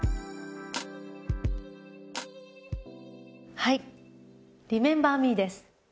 はい「リメンバー・ミー」です